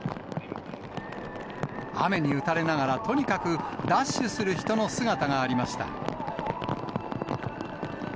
雨に打たれながら、とにかくダッシュする人の姿がありました。